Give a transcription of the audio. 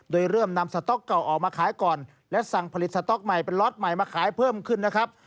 โดยเริ่มนำสต๊อกเก่าออกมาขายก่อนและสั่งผลิตสต๊อกใหม่เป็นล็อตใหม่มาขายเพิ่มขึ้นนะครับ